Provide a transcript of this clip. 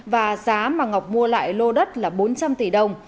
và giá mà ngọc mua lại lô đất là bốn trăm linh tỷ đồng